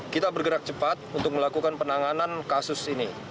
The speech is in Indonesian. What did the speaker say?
kita bergerak cepat untuk melakukan penanganan kasus ini